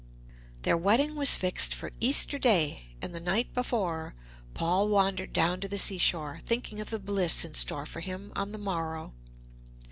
Their wedding was fixed for Easter Day, and the night before, Paul wandered down to the sea shore, thinking of the bliss in store for him on the morrow.